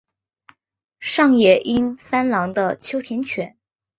上野英三郎的秋田犬。